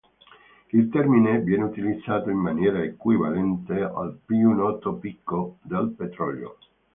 Il termine viene utilizzato in maniera equivalente al più noto picco del petrolio.